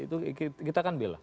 itu kita kan bela